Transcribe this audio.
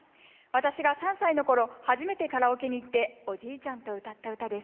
私が３歳のころ初めてカラオケに行っておじいちゃんと歌った歌です。